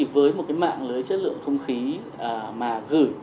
với một mạng lưới chất lượng không khí mà gửi